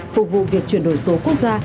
phục vụ việc chuyển đổi số quốc gia